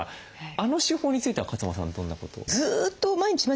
あの手法については勝間さんはどんなことを？